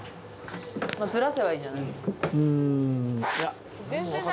ズラせばいいんじゃない？